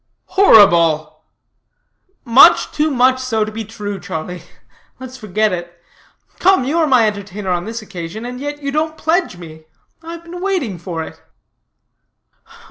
"Horrible!" "Much too much so to be true, Charlie. Let us forget it. Come, you are my entertainer on this occasion, and yet you don't pledge me. I have been waiting for it."